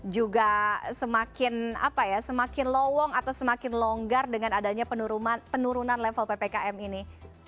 juga semakin apa ya semakin lowong atau semakin longgar dengan adanya penurunan level ppkm ini